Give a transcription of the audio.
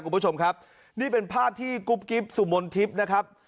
คุณผู้ชมครับนี่เป็นภาพที่กุ๊บกิ๊บสุมนทิพย์นะครับ